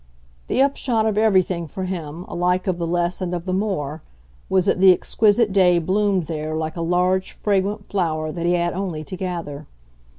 The upshot of everything for him, alike of the less and of the more, was that the exquisite day bloomed there like a large fragrant flower that he had only to gather.